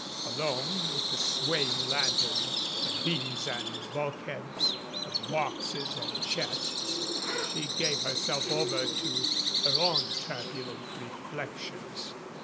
Alone with the swaying lantern, the beams and bulkheads, the boxes and chests, she gave herself over to her own turbulent reflections.